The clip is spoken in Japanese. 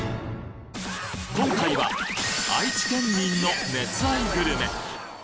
今回は愛知県民の熱愛グルメ。